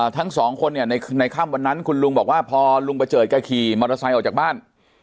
ทั้งสองคนเนี่ยในค่ำวันนั้นคุณลุงบอกว่าพอลุงประเจิดแกขี่มอเตอร์ไซค์ออกจากบ้าน